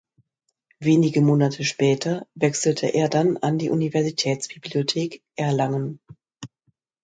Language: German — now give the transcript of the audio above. Wenige Monate später wechselte er dann an die Universitätsbibliothek Erlangen.